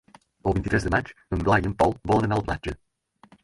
El vint-i-tres de maig en Blai i en Pol volen anar a la platja.